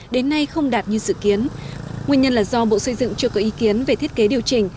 đến nay không đạt như dự kiến nguyên nhân là do bộ xây dựng chưa có ý kiến về thiết kế điều chỉnh